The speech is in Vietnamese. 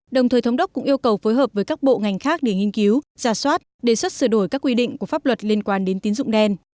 đồng thời thống đốc cũng yêu cầu phối hợp với các bộ ngành khác để nghiên cứu giả soát đề xuất sửa đổi các quy định của pháp luật liên quan đến tín dụng đen